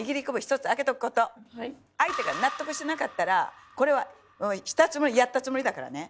ここは相手が納得してなかったらそれはしたつもりやったつもりだからね。